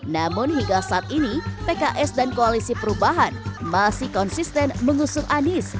namun hingga saat ini pks dan koalisi perubahan masih konsisten mengusung anies